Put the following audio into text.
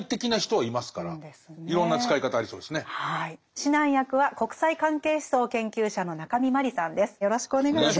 指南役は国際関係思想研究者の中見真理さんです。